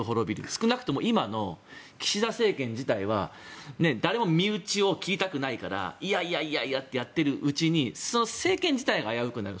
少なくとも今の岸田政権自体は誰も身内を切りたくないからいやいやいやってやってるうちに政権自体が危うくなる。